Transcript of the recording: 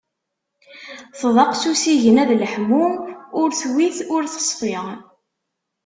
Tḍaq s usigna d leḥmu, ur twit ur teṣfi.